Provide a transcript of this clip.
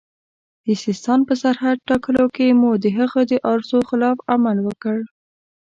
د سیستان په سرحد ټاکلو کې مو د هغه د ارزو خلاف عمل وکړ.